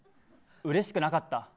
うれしくなかった。